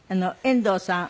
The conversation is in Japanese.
遠藤さん